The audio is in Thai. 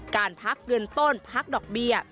การพักเงินต้นพักดอกเบี้ย